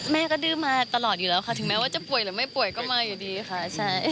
แม่ก็ดื้อมาตลอดอยู่แล้วค่ะถึงแม้ว่าจะป่วยหรือไม่ป่วยก็มาอยู่ดีค่ะใช่